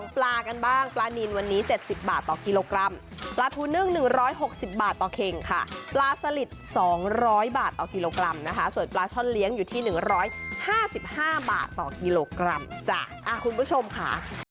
ปลากันบ้างปลานินวันนี้๗๐บาทต่อกิโลกรัมปลาทูนึ่ง๑๖๐บาทต่อเข่งค่ะปลาสลิด๒๐๐บาทต่อกิโลกรัมนะคะส่วนปลาช่อนเลี้ยงอยู่ที่๑๕๕บาทต่อกิโลกรัมจ้ะคุณผู้ชมค่ะ